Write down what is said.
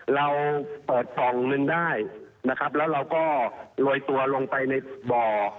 เราเปิดกล่องหนึ่งได้นะครับแล้วเราก็โรยตัวลงไปในบ่อ